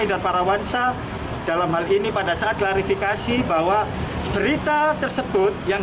indra parawansa dalam hal ini pada saat klarifikasi bahwa berita tersebut yang